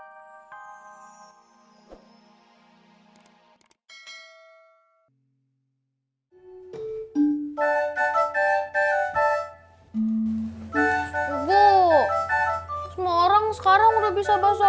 bunga semua orang sekarang udah bisa bahasanya